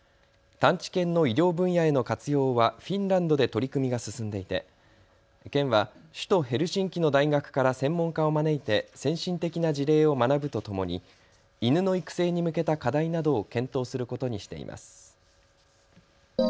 探知犬の医療分野への活用はフィンランドで取り組みが進んでいて県は首都ヘルシンキの大学から専門家を招いて先進的な事例を学ぶとともに犬の育成に向けた課題などを検討することにしています。